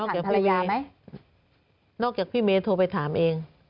ไม่ได้ติดต่อนอกจากพี่เมย์นอกจากพี่เมย์โทรไปถามเอง